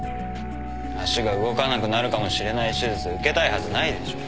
足が動かなくなるかもしれない手術受けたいはずないでしょ